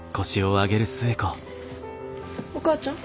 お母ちゃん？